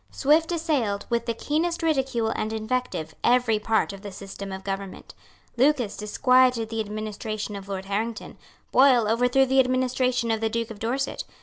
Swift assailed, with the keenest ridicule and invective, every part of the system of government. Lucas disquieted the administration of Lord Harrington. Boyle overthrew the administration of the Duke of Dorset.